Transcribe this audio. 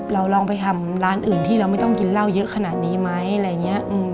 เราลองไปทำร้านอื่นที่เราไม่ต้องกินเหล้าเยอะขนาดนี้ไหม